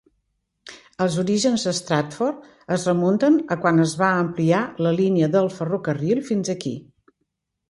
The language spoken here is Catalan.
Els orígens de Stratford es remunten a quan es va ampliar la línia del ferrocarril fins aquí.